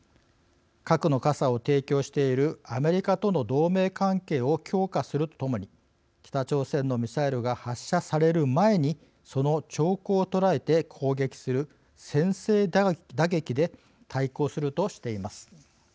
核の傘を提供しているアメリカとの同盟関係を強化するとともに北朝鮮のミサイルが発射される前にその兆候を捉えて攻撃する先制打撃で対抗するとしています。